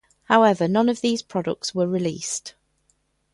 However, none of these products were released.